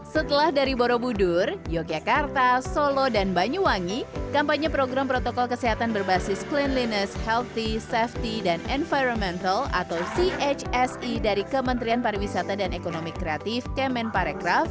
setelah dari borobudur yogyakarta solo dan banyuwangi kampanye program protokol kesehatan berbasis cleanliness healthy safety dan environmental atau chse dari kementerian pariwisata dan ekonomi kreatif kemen parekraf